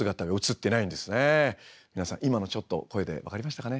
皆さん今のちょっと声で分かりましたかね。